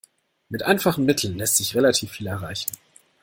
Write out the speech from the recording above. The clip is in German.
Mit einfachen Mitteln lässt sich relativ viel erreichen.